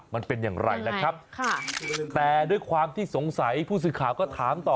มันเป็นอย่างไรนะครับค่ะแต่ด้วยความที่สงสัยผู้สื่อข่าวก็ถามต่อ